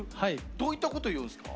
どういったこと言うんすか？